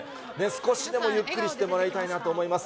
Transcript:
少しでもゆっくりしてもらいたいなと思います。